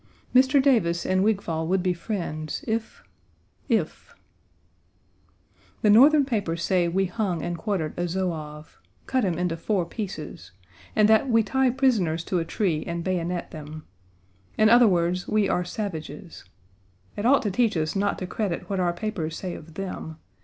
Mr. Davis and Wigfall would be friends, if if The Northern papers say we hung and quartered a Zouave; cut him into four pieces; and that we tie prisoners to a tree and bayonet them. In other words, we are savages. It ought to teach us not to credit what our papers say of them.